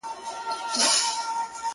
د جلادانو له تېغونو بیا د ګور تر کلي!